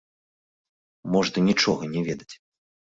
Можна нічога не ведаць.